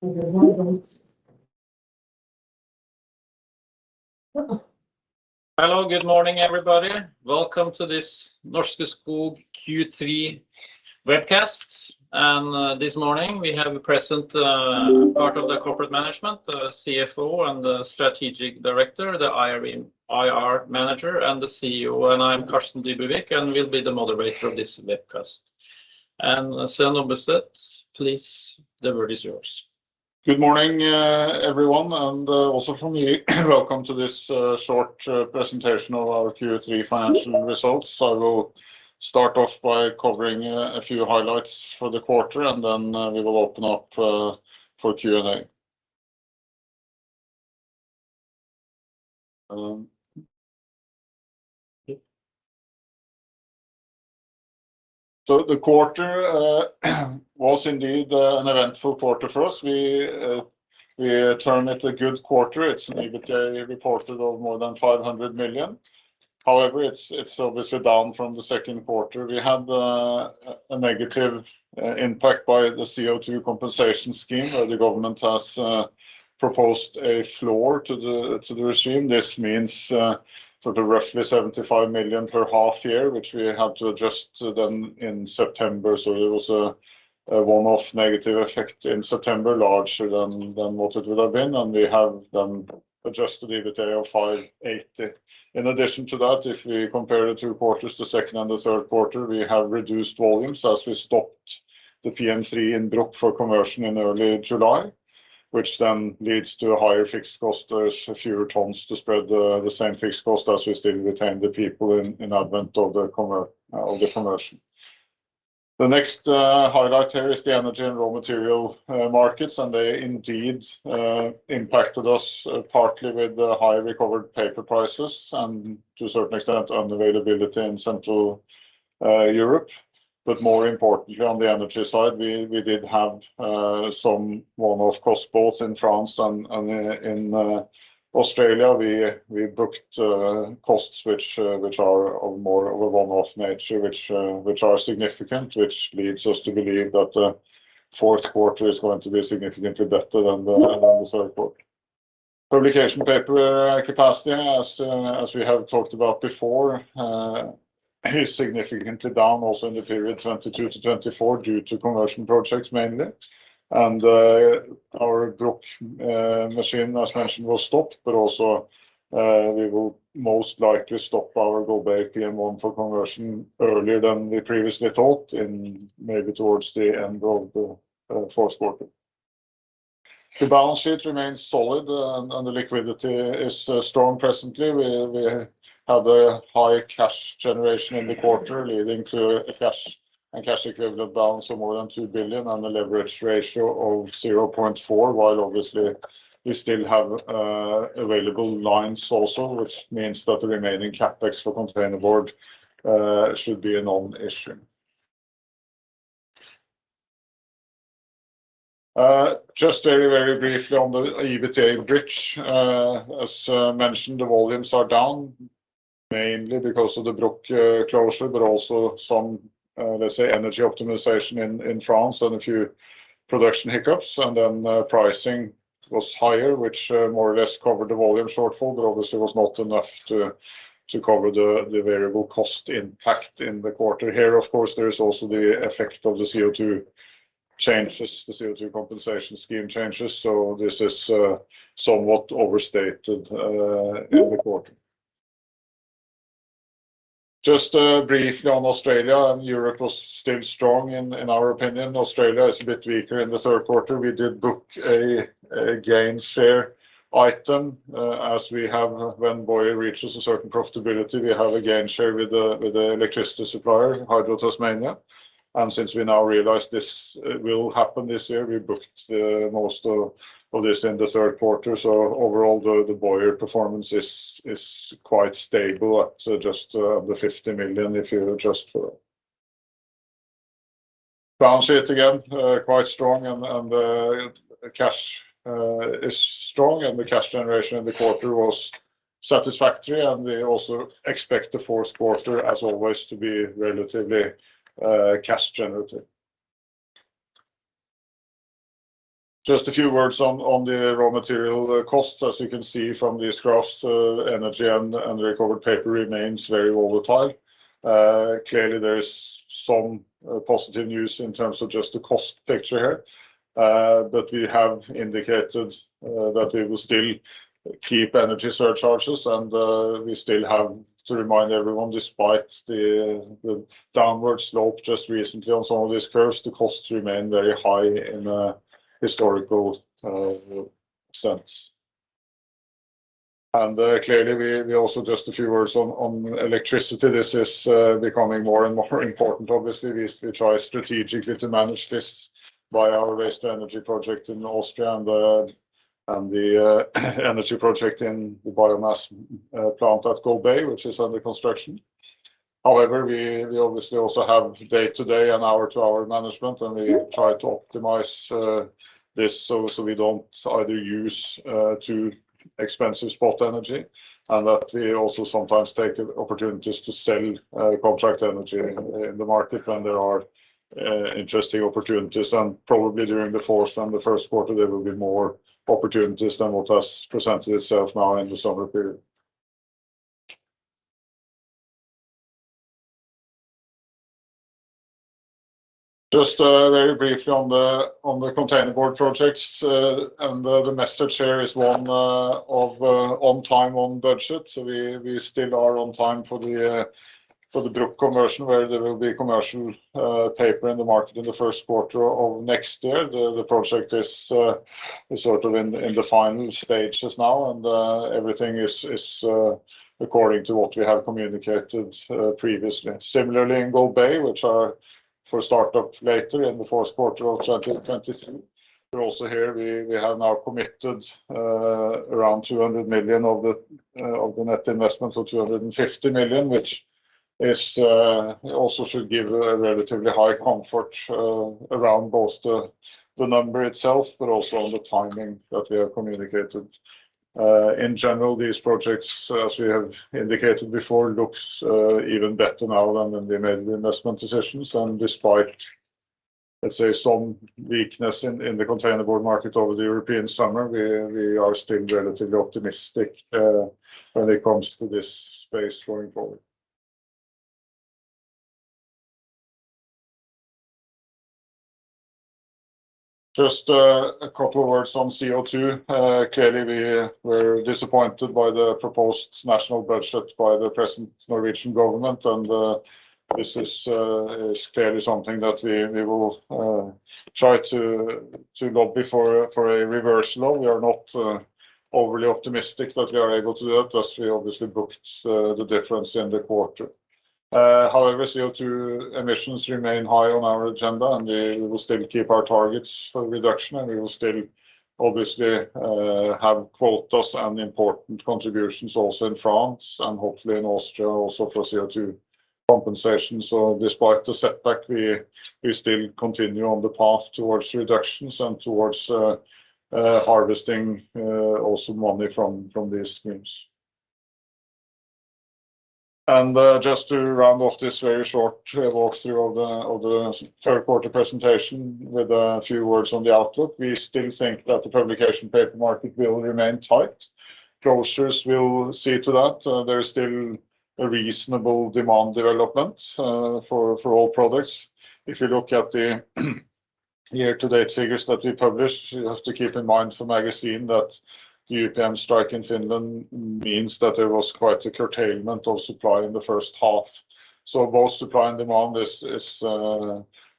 Hello. Good morning, everybody. Welcome to this Norske Skog Q3 webcast. This morning we have present part of the corporate management, the CFO and the Strategic Director, the IR manager, and the CEO. I'm Carsten Dybevig, and will be the moderator of this webcast. Sven Ombudstvedt, please, the word is yours. Good morning, everyone, and also from me, welcome to this short presentation of our Q3 financial results. I will start off by covering a few highlights for the quarter, and then we will open up for Q&A. The quarter was indeed an eventful quarter for us. We term it a good quarter. It's an EBITDA reported of more than 500 million. However, it's obviously down from the second quarter. We had a negative impact by the CO2 compensation scheme, where the government has proposed a floor to the regime. This means sort of roughly 75 million per half year, which we had to adjust then in September. There was a one-off negative effect in September, larger than what it would have been. We have then adjusted EBITDA of 580 million. In addition to that, if we compare the two quarters, the second and the third quarter, we have reduced volumes as we stopped the PM3 in Bruck for conversion in early July, which then leads to higher fixed costs. There's fewer tons to spread the same fixed cost as we still retain the people in advance of the conversion. The next highlight here is the energy and raw material markets, and they indeed impacted us partly with the high recovered paper prices and to a certain extent unavailability in Central Europe. More importantly on the energy side, we did have some one-off costs both in France and in Australia. We booked costs which are of more of a one-off nature which are significant, which leads us to believe that the fourth quarter is going to be significantly better than the third quarter. Publication paper capacity, as we have talked about before, is significantly down also in the period 2022-2024 due to conversion projects mainly. Our Bruck machine as mentioned was stopped, but also we will most likely stop our Golbey PM1 for conversion earlier than we previously thought, in maybe towards the end of the fourth quarter. The balance sheet remains solid, and the liquidity is strong presently. We have a high cash generation in the quarter, leading to a cash and cash equivalent balance of more than 2 billion and a leverage ratio of 0.4, while obviously we still have available lines also, which means that the remaining CapEx for containerboard should be a non-issue. Just very, very briefly on the EBITDA bridge. As mentioned, the volumes are down mainly because of the Bruck closure, but also some, let's say, energy optimization in France and a few production hiccups. Then pricing was higher, which more or less covered the volume shortfall, but obviously was not enough to cover the variable cost impact in the quarter here. Of course, there is also the effect of the CO2 changes, the CO2 compensation scheme changes, so this is somewhat overstated in the quarter. Just briefly on Australia. Europe was still strong in our opinion. Australia is a bit weaker in the third quarter. We did book a gain share item as we have when Boyer reaches a certain profitability. We have a gain share with the electricity supplier, Hydro Tasmania. Since we now realize this will happen this year, we booked most of this in the third quarter. Overall, the Boyer performance is quite stable at just 50 million if you adjust for it. Balance sheet again quite strong and cash is strong and the cash generation in the quarter was satisfactory. We also expect the fourth quarter, as always, to be relatively cash generative. Just a few words on the raw material costs. As you can see from these graphs, energy and recovered paper remains very volatile. Clearly there is some positive news in terms of just the cost picture here. But we have indicated that we will still keep energy surcharges, and we still have to remind everyone, despite the downward slope just recently on some of these curves, the costs remain very high in a historical sense. Clearly we also just a few words on electricity. This is becoming more and more important. Obviously, we try strategically to manage this via our waste-to-energy project in Austria and the energy project in the biomass plant at Golbey, which is under construction. However, we obviously also have day-to-day and hour-to-hour management, and we try to optimize this so we don't either use too expensive spot energy and that we also sometimes take opportunities to sell contract energy in the market when there are interesting opportunities. Probably during the fourth and the first quarter, there will be more opportunities than what has presented itself now in the summer period. Just very briefly on the containerboard projects. The message here is one of on time, on budget. We still are on time for the Bruck conversion, where there will be commercial paper in the market in the first quarter of next year. The project is sort of in the final stages now and everything is according to what we have communicated previously. Similarly, in Golbey, which are for start-up later in the fourth quarter of 2023. Also here we have now committed around 200 million of the net investment, so 250 million, which also should give a relatively high comfort around both the number itself but also on the timing that we have communicated. In general, these projects, as we have indicated before, looks even better now than when we made the investment decisions and despite, let's say, some weakness in the containerboard market over the European summer, we are still relatively optimistic when it comes to this space going forward. Just a couple words on CO2. Clearly we were disappointed by the proposed national budget by the present Norwegian government and this is clearly something that we will try to lobby for a reversal. We are not overly optimistic that we are able to do that, as we obviously booked the difference in the quarter. However, CO2 emissions remain high on our agenda, and we will still keep our targets for reduction, and we will still obviously have quotas and important contributions also in France and hopefully in Austria also for CO2 compensation. Despite the setback, we still continue on the path towards reductions and towards harvesting also money from these schemes. Just to round off this very short walkthrough of the third quarter presentation with a few words on the outlook, we still think that the publication paper market will remain tight. Closures will see to that. There is still a reasonable demand development for all products. If you look at the year-to-date figures that we published, you have to keep in mind for magazine that the UPM strike in Finland means that there was quite a curtailment of supply in the first half. Both supply and demand is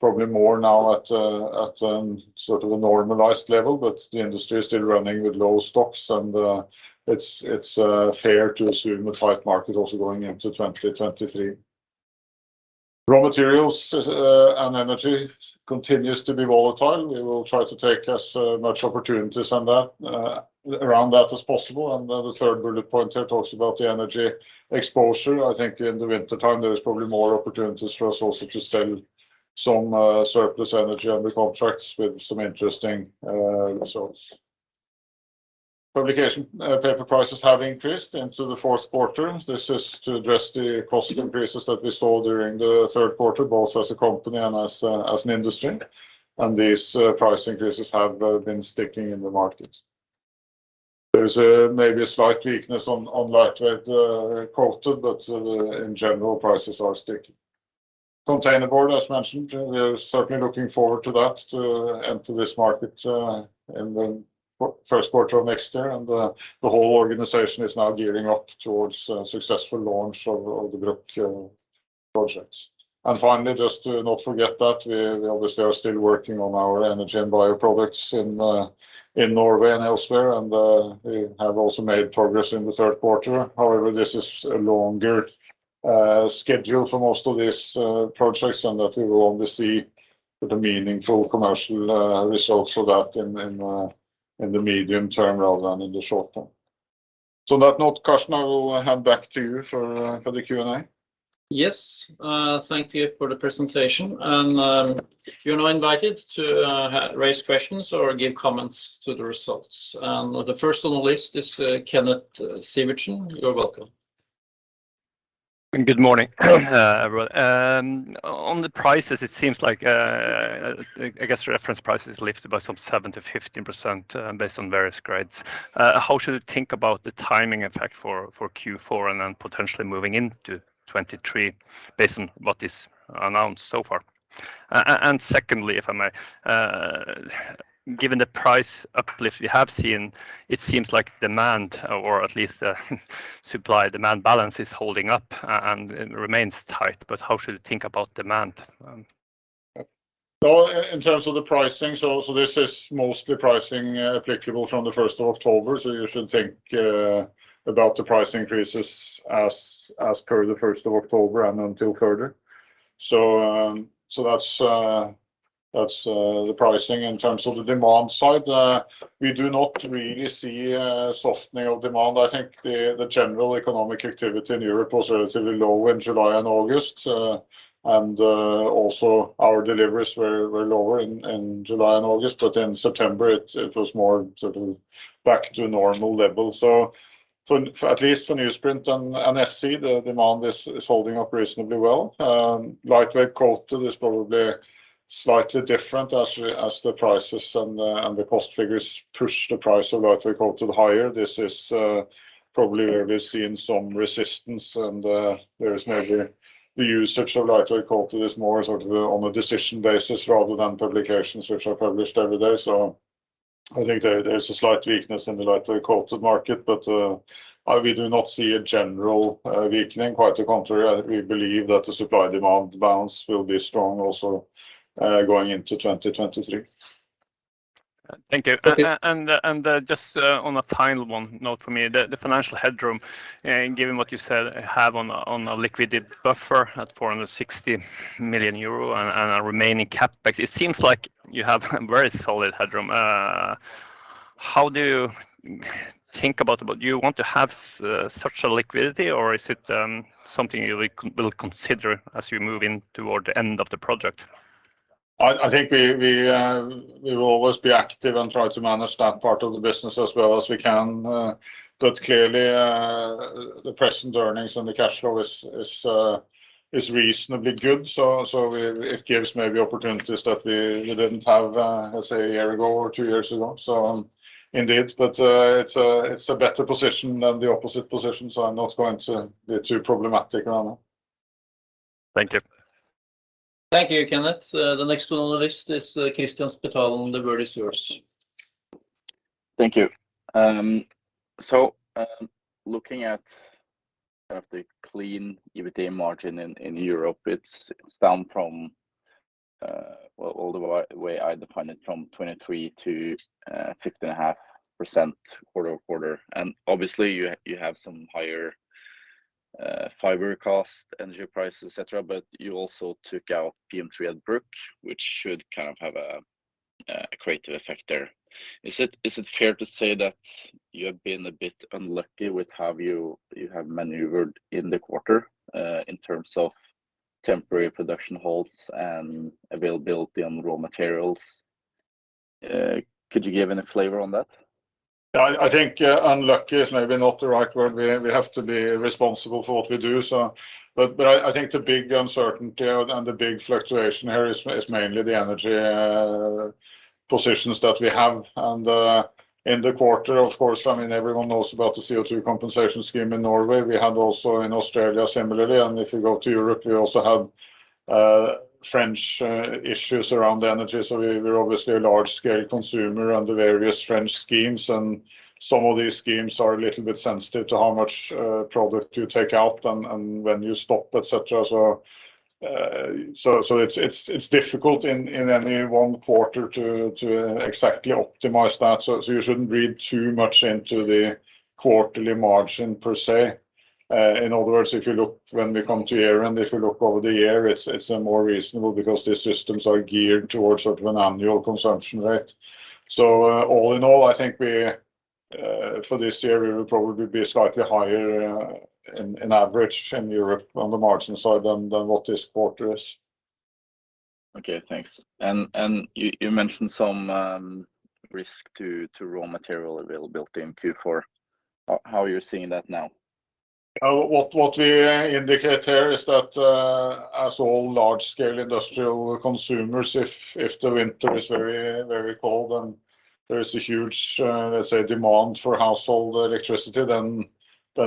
probably more now at sort of a normalized level, but the industry is still running with low stocks and it's fair to assume a tight market also going into 2023. Raw materials and energy continues to be volatile. We will try to take as much opportunities on that around that as possible. The third bullet point here talks about the energy exposure. I think in the wintertime, there is probably more opportunities for us also to sell some surplus energy under contracts with some interesting results. Publication paper prices have increased into the fourth quarter. This is to address the cost increases that we saw during the third quarter, both as a company and as an industry. These price increases have been sticking in the market. There's maybe a slight weakness on lightweight coated, but in general, prices are sticking. Containerboard, as mentioned, we are certainly looking forward to that and to this market in the first quarter of next year. The whole organization is now gearing up towards a successful launch of the Bruck project. Finally, just to not forget that we obviously are still working on our energy and bioproducts in Norway and elsewhere. We have also made progress in the third quarter. However, this is a longer schedule for most of these projects, and that we will only see the meaningful commercial results of that in the medium term rather than in the short term. On that note, Carsten, I will hand back to you for the Q&A. Yes. Thank you for the presentation. You're now invited to raise questions or give comments to the results. The first on the list is Kenneth Svendsen. You're welcome. Good morning, everyone. On the prices, it seems like, I guess reference price is lifted by some 7%-15%, based on various grades. How should we think about the timing effect for Q4 and then potentially moving into 2023 based on what is announced so far? Secondly, if I may, given the price uplift you have seen, it seems like demand or at least, supply-demand balance is holding up and remains tight, but how should we think about demand? Well, in terms of the pricing, this is mostly pricing applicable from the first of October. You should think about the price increases as per the first of October and until further. That's the pricing in terms of the demand side. We do not really see a softening of demand. I think the general economic activity in Europe was relatively low in July and August. Also our deliveries were lower in July and August. In September it was more sort of back to normal level. For at least for newsprint and SC, the demand is holding up reasonably well. Lightweight coated is probably slightly different as the prices and the cost figures push the price of lightweight coated higher. This is probably where we've seen some resistance, and there is maybe the usage of lightweight coated is more sort of on a decision basis rather than publications which are published every day. I think there's a slight weakness in the lightweight coated market, but we do not see a general weakening, quite the contrary. We believe that the supply demand balance will be strong also going into 2023. Thank you. Okay. Just on a final note for me, the financial headroom, given what you said you have, a liquidity buffer at 460 million euro and a remaining CapEx, it seems like you have a very solid headroom. How do you think about it? Do you want to have such a liquidity, or is it something you will consider as you move in toward the end of the project? I think we will always be active and try to manage that part of the business as well as we can. Clearly, the present earnings and the cash flow is reasonably good, so it gives maybe opportunities that we didn't have, let's say a year ago or two years ago. Indeed, it's a better position than the opposite position, so I'm not going to be too problematic around that. Thank you. Thank you, Kenneth. The next one on the list is Christian Spital, and the word is yours. Thank you. Looking at kind of the clean EBITDA margin in Europe, it's down from, well, all the way I defined it, from 23% to 15.5% quarter-over-quarter. Obviously you have some higher fiber cost, energy prices, et cetera, but you also took out PM3 at Bruck, which should kind of have a curative effect there. Is it fair to say that you have been a bit unlucky with how you have maneuvered in the quarter, in terms of temporary production halts and availability on raw materials? Could you give any flavor on that? Yeah, I think unlucky is maybe not the right word. We have to be responsible for what we do. I think the big uncertainty and the big fluctuation here is mainly the energy positions that we have. In the quarter, of course, I mean, everyone knows about the CO2 compensation scheme in Norway. We had also in Australia similarly, and if you go to Europe, we also have French issues around energy. We are obviously a large scale consumer under various French schemes, and some of these schemes are a little bit sensitive to how much product you take out and when you stop, et cetera. It's difficult in any one quarter to exactly optimize that. You shouldn't read too much into the quarterly margin per se. In other words, if you look when we come to year-end, if you look over the year, it's more reasonable because these systems are geared towards sort of an annual consumption rate. All in all, I think, for this year, we will probably be slightly higher on average in Europe on the margin side than what this quarter is. Okay, thanks. You mentioned some risk to raw material availability in Q4. How are you seeing that now? What we indicate here is that, as all large scale industrial consumers, if the winter is very cold and there is a huge, let's say, demand for household electricity, then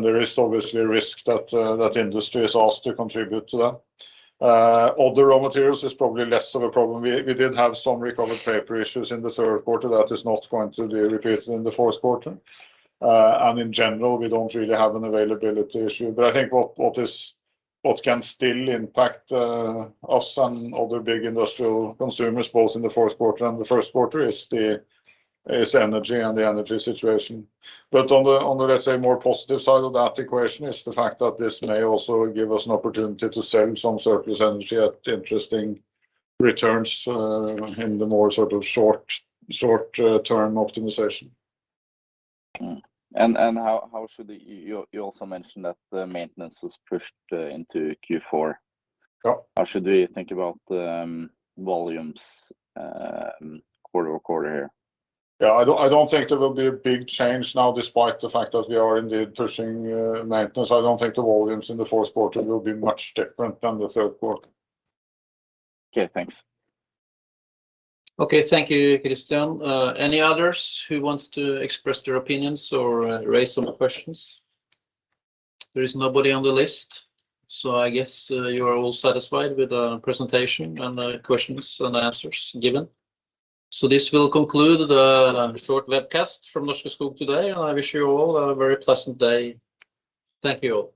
there is obviously a risk that industry is asked to contribute to that. Other raw materials is probably less of a problem. We did have some recovered paper issues in the third quarter that is not going to be repeated in the fourth quarter. In general, we don't really have an availability issue. I think what can still impact us and other big industrial consumers both in the fourth quarter and the first quarter is energy and the energy situation. On the, let's say, more positive side of that equation is the fact that this may also give us an opportunity to sell some surplus energy at interesting returns in the more sort of short-term optimization. You also mentioned that the maintenance was pushed into Q4. Yeah. How should we think about the volumes, quarter-over-quarter here? Yeah, I don't think there will be a big change now despite the fact that we are indeed pushing maintenance. I don't think the volumes in the fourth quarter will be much different than the third quarter. Okay, thanks. Okay, thank you, Christian. Any others who wants to express their opinions or raise some questions? There is nobody on the list, so I guess you are all satisfied with the presentation and the questions and answers given. This will conclude the short webcast from Norske Skog today, and I wish you all a very pleasant day. Thank you all.